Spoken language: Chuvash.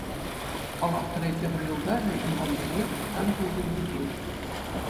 Палатӑри тепӗр юлташӗ — Иван пекех вӑтам ҫулсенчи ҫын.